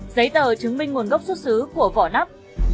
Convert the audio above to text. giấy tờ chứng minh nguồn gốc xuất xứ của võ động